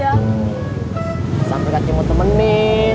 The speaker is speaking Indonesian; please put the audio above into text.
ya sampai kak cimut temenin